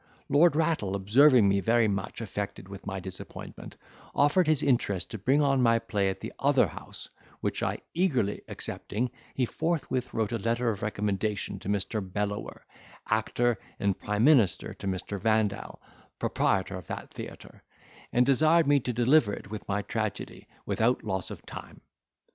Lord Rattle observing me very much affected with my disappointment, offered his interest to bring on my play at the other house, which I eagerly accepting, he forthwith wrote a letter of recommendation to Mr. Bellower, actor and prime minister to Mr. Vandal, proprietor of that theatre, and desired me to deliver it with my tragedy, without loss of time.